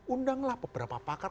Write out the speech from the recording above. undanglah beberapa pakar